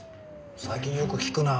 最近よく聞くな。